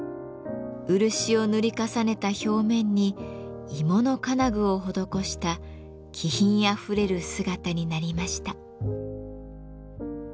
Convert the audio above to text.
漆を塗り重ねた表面に鋳物金具を施した気品あふれる姿になりました。